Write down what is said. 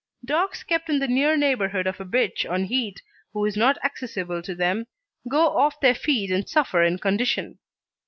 Dogs kept in the near neighbourhood of a bitch on heat, who is not accessible to them, go off their feed and suffer in condition.